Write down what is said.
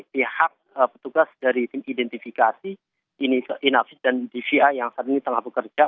pihak petugas dari tim identifikasi inavis dan dca yang saat ini telah bekerja